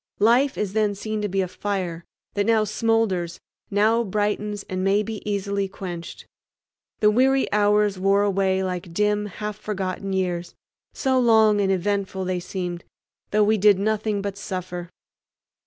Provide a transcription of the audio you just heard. Life is then seen to be a fire, that now smoulders, now brightens, and may be easily quenched. The weary hours wore away like dim half forgotten years, so long and eventful they seemed, though we did nothing but suffer.